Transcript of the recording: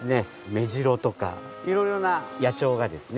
メジロとか色々な野鳥がですね